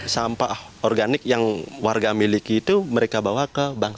sampah organik yang warga miliki itu mereka bawa ke bangsa